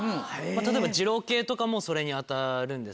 例えば二郎系とかもそれに当たるんですけど。